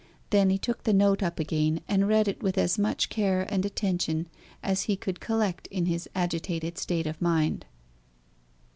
Then he took the note up again, and read it with as much care and attention as he could collect in his agitated state of mind.